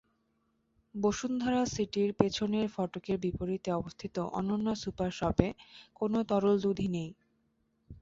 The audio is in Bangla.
বসুন্ধরা সিটির পেছনের ফটকের বিপরীতে অবস্থিত অনন্যা সুপার শপে কোনো তরল দুধই নেই।